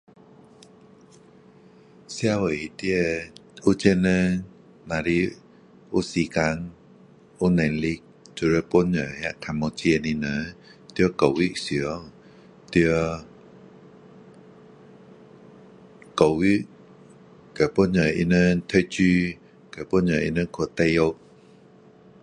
社会里面有钱人，若如有时间有能力就要帮忙较没钱的人在教育上，在 [unintelligible] 教育去帮助他们读书，帮助他们去大学。